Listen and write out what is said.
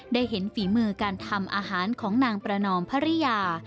ได้เห็นฝีมือการทำอาหารของนางประนอมภรรยา